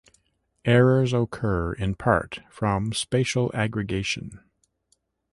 Errors occur in part from spatial aggregation.